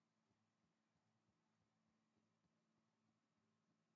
mbwire umwami urugo ruzatwika urwe